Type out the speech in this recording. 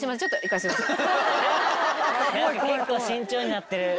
結構慎重になってる。